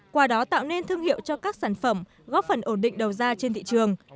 qua đó tạo nên thương hiệu cho các sản phẩm góp phần ổn định đầu ra trên thị trường